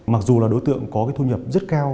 mặc dù là đối tượng có cái thu nhập rất cao